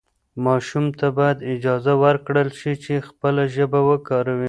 ماشوم ته باید اجازه ورکړل شي چې خپله ژبه وکاروي.